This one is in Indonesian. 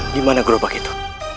di mana gerobak itu